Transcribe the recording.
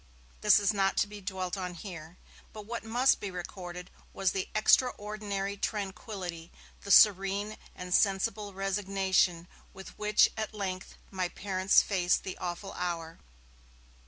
This is not to be dwelt on here. But what must be recorded was the extraordinary tranquillity, the serene and sensible resignation, with which at length my parents faced the awful hour.